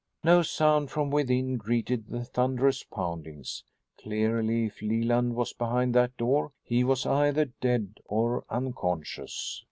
No sound from within greeted the thunderous poundings. Clearly, if Leland was behind that door, he was either dead or unconscious.